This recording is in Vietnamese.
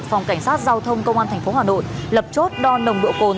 phòng cảnh sát giao thông công an tp hà nội lập chốt đo nồng độ cồn